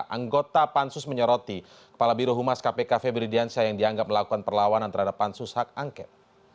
anggota pansus menyoroti kepala birohumas kpk febri diansyah yang dianggap melakukan perlawanan terhadap pansus hak angket